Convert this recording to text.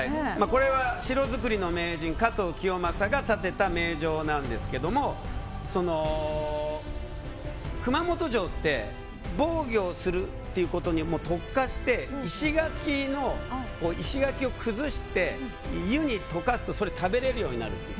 これは城造りの名人加藤清正が建てた名城なんですけども熊本城って防御するということに特化して石垣を崩して湯に溶かすとそれが食べられるようになると。